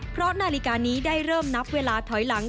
เพราะนาฬิกานี้ได้เริ่มนับเวลาถอยหลัง